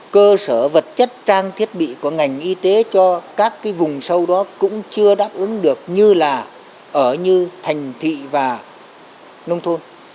cơ sở vật chất trang thiết bị của ngành y tế cho các cái vùng sâu đó cũng chưa đáp ứng được như là ở như thành thị và nông thôn